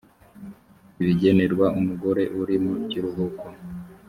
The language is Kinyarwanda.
ibigenerwa umugore uri mu kiruhuko